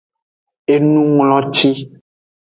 Enungloci.